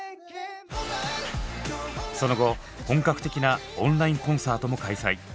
その後本格的なオンラインコンサートも開催。